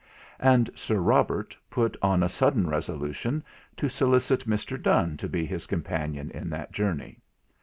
And Sir Robert put on a sudden resolution to solicit Mr. Donne to be his companion in that journey.